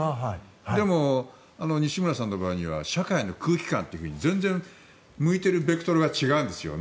でも、西村さんの場合には社会の空気感というふうに全然、向いているベクトルが違うんですよね。